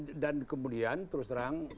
iya dan kemudian terus terang kita